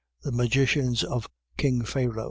. .The magicians of king Pharao.